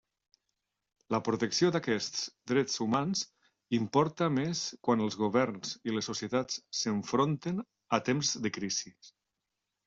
La protecció d'aquests drets humans importa més quan els governs i les societats s'enfronten a temps de crisis.